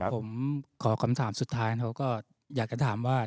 ผมขอคำถามสุดท้ายเขาก็อยากจะถามว่า